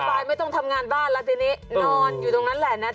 บายไม่ต้องทำงานบ้านแล้วทีนี้นอนอยู่ตรงนั้นแหละนะ